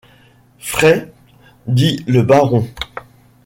Frai? dit le baron.